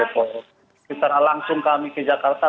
secara langsung kami ke jakarta